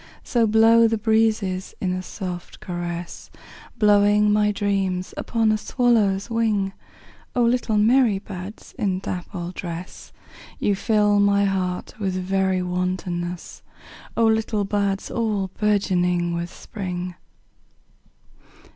So blow the breezes in a soft caress, Blowing my dreams upon a swallow's wing;O little merry buds in dappled dress, You fill my heart with very wantonness—O little buds all bourgeoning with Spring!